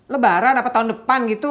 lebaran apa tahun depan gitu